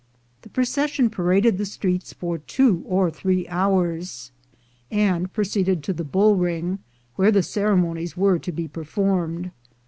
The procession paraded the streets for two or three hours, and proceeded to the bull ring, where the ceremonies MT^ere to be performed.